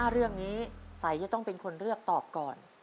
๕เรื่องนี้ใสจะต้องเป็นคนเลือกตอบก่อน